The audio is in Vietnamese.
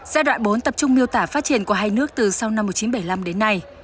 giai đoạn bốn tập trung miêu tả phát triển của hai nước từ sau năm một nghìn chín trăm bảy mươi năm đến nay